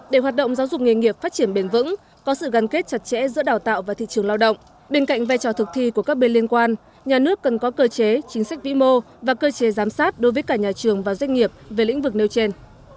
để hoạt động giáo dục nghề nghiệp phát triển bền vững có sự gắn kết chặt chẽ giữa đào tạo và thị trường lao động bên cạnh vai trò thực thi của các bên liên quan nhà nước cần có cơ chế chính sách vĩ mô và cơ chế giám sát đối với cả nhà trường và doanh nghiệp về lĩnh vực nêu trên